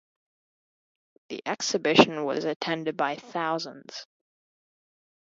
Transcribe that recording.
The exhibition was attended by thousands.